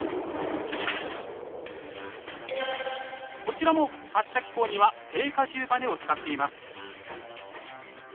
こちらも発射機構には定荷重ばねを使っています。